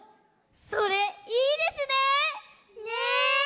それいいですね。ね。